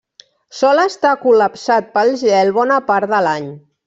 Sol estar col·lapsat pel gel bona part de l'any.